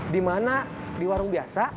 dimana di warung biasa